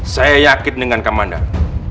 saya yakin dengan kak mandandu